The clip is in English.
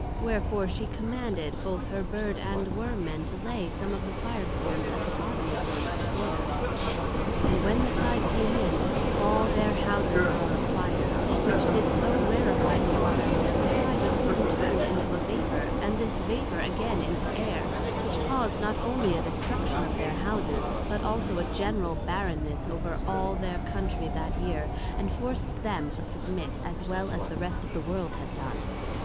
Wherefore she commanded both her Bird and Worm men to lay some of the Fire stones at the bottom of those Supporters, and when the Tide came in, all their Houses were of a Fire, which did so rarifie the Water, that the Tide was soon turn'd into a Vapour, and this Vapour again into Air; which caused not onely a destruction of their Houses, but also a general barrenness over all their Countrey that year, and forced them to submit, as well as the rest of the World had done.